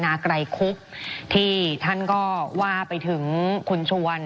ไม่ได้เป็นประธานคณะกรุงตรี